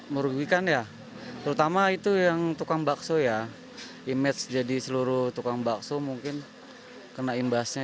merugikan ya terutama itu yang tukang bakso ya image jadi seluruh tukang bakso mungkin kena imbasnya